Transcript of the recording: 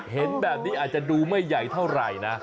เห็นแบบนี้อาจจะดูไม่ใหญ่เท่าไหร่นะ